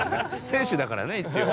「選手だからね一応」